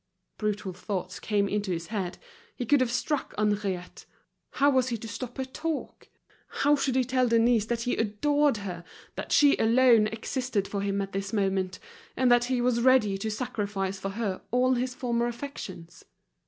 Brutal thoughts came into his head, he could have struck Henriette. How was he to stop her talk? How should he tell Denise that he adored her, that she alone existed for him at this moment, and that he was ready to sacrifice for her all his former affections?